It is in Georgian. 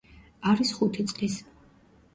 არის ხუთი წლის.